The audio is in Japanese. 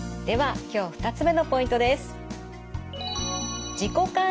では今日２つ目のポイントです。